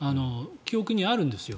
記憶にあるんですよ。